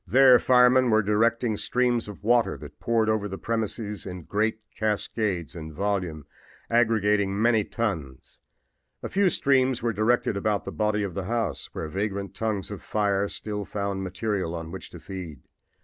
"There firemen were directing streams of water that poured over the premises in great cascades in volume, aggregating many tons. A few streams were directed about the body of the house, where vagrant tongues of flame still found material on which to feed.